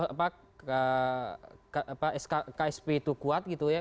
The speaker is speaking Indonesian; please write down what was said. apa ksp itu kuat gitu ya